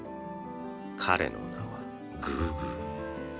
彼の名はグーグー。